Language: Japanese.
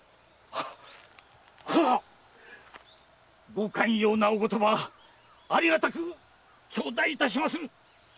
ご寛容なお言葉ありがたく頂戴いたしまする。